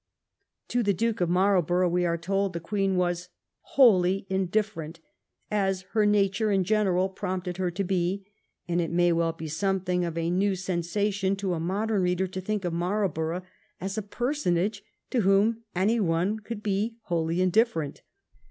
. To the Duke of Marlborough we are told that the Queen " was wholly indifferent ... as her nature in general prompted her to be," and it may well be some thing of a new sensation to a modern reader to think of Marlborough as a personage to whom any one could be wholly indifferent.